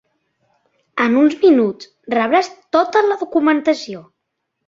En uns minuts rebràs tota la documentació.